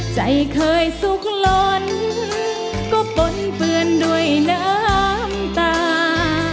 ใจเคยสุขล้นก็ปนเปื้อนด้วยน้ำตา